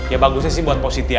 ya bagusnya sih buat positif ya